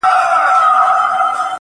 چي به د اور له پاسه اور راځي!